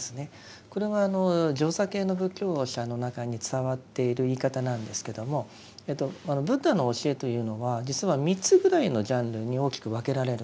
これはあの上座系の仏教者の中に伝わっている言い方なんですけどもブッダの教えというのは実は３つぐらいのジャンルに大きく分けられるんです。